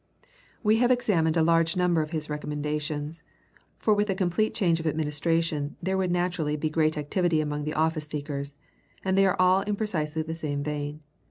We have examined a large number of his recommendations for with a complete change of administration there would naturally be great activity among the office seekers and they are all in precisely the same vein.